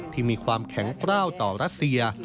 ที่มีความแข็งกล้าวต่อรัสเซีย